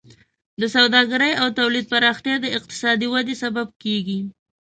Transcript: د سوداګرۍ او تولید پراختیا د اقتصادي وده سبب کیږي.